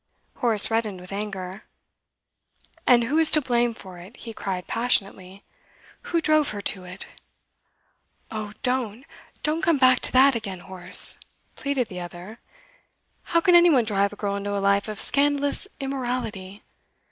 Horace reddened with anger. 'And who is to blame for it?' he cried passionately. 'Who drove her to it?' 'Oh, don't, don't come back to that again, Horace!' pleaded the other. 'How can any one drive a girl into a life of scandalous immorality?